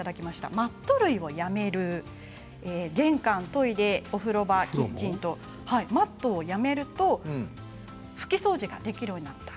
マット類をやめる玄関、トイレ、お風呂場キッチンとマットをやめると拭き掃除ができるようになった。